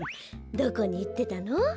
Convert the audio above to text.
どこにいってたの？